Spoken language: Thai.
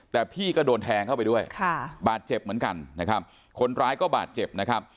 แต่พี่ก็โดนแทงเข้าไปด้วยบาดเจ็บเหมือนกันคนร้ายก็บาดเจ็บ